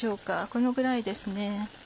このぐらいですね。